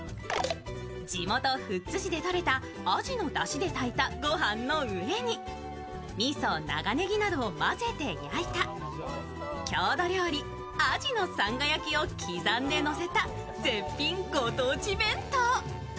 地元・富津市でとれた鯵のだしでたいたご飯の上にみそ、長ねぎなどを混ぜて焼いた郷土料理・アジのさんが焼きを刻んで焼いた絶品ご当地弁当。